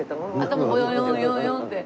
頭ボヨヨンヨンヨンって。